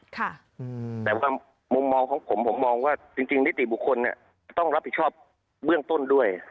แต่ว่ามุมมองของผมผมมองว่าจริงนิติบุคคลต้องรับผิดชอบเบื้องต้นด้วย